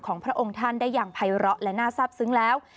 พระองค์ท่านได้อย่างภัยเลาะและน่าทราบซึ้งแล้ว